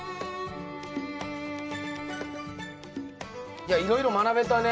いやいろいろ学べたね。